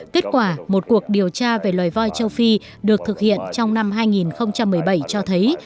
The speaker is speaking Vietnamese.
kết quả một cuộc điều tra về loài voi châu phi được thực hiện trong năm hai nghìn một mươi bảy cho thấy